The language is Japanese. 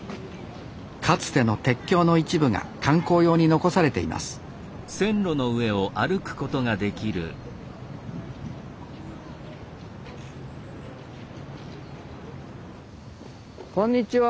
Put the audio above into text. かつての鉄橋の一部が観光用に残されていますこんにちは。